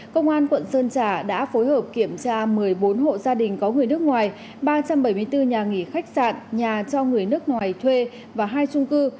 công an quận sơn trà đã phối hợp kiểm tra một mươi bốn hộ gia đình có người nước ngoài ba trăm bảy mươi bốn nhà nghỉ khách sạn nhà cho người nước ngoài thuê và hai trung cư